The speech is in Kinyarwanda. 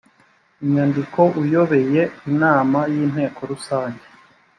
inyandiko uyoboye inama y inteko rusange